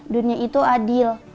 dunia itu adil